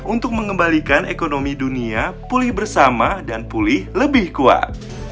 untuk mengembalikan ekonomi dunia pulih bersama dan pulih lebih kuat